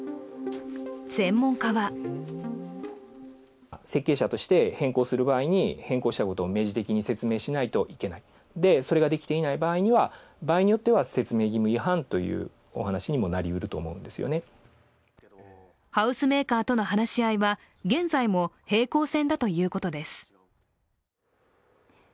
専門家はハウスメーカーとの話し合いは現在も平行線だということです。